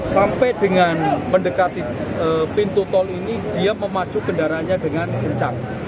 sampai dengan mendekati pintu tol ini dia memacu kendaraannya dengan kencang